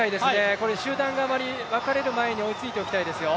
これ集団があまり分かれる前に落ち着いておきたいですよ。